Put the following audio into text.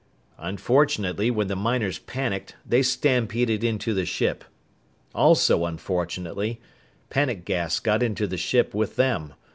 "Unfortunately, when the miners panicked, they stampeded into the ship. Also unfortunately, panic gas got into the ship with them.